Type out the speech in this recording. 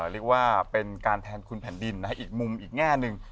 เรียกว่าเป็นการแทนคุณแผ่นดินอีกมุมอีกแง่หนึ่ง